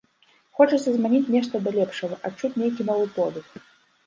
Хочацца змяніць нешта да лепшага, адчуць нейкі новы подых.